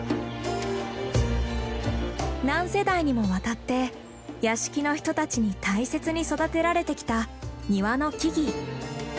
何世代にもわたって屋敷の人たちに大切に育てられてきた庭の木々。